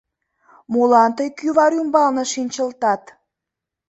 — Молан тый кӱвар ӱмбалне шинчылтат?